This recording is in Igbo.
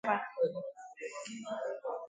Na mbụ n'ozi ọ gụpụtàra